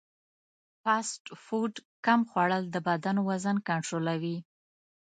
فاسټ فوډ کم خوړل د بدن وزن کنټرولوي.